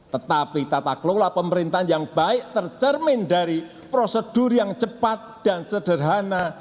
tetapi tata kelola pemerintahan yang baik tercermin dari prosedur yang cepat dan sederhana